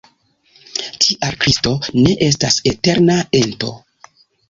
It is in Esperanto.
Tial Kristo ne estas eterna ento.